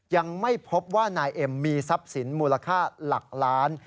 ยังไม่พบว่านายเอ็มมีทรัพย์สินมูลค่าหลักล้าน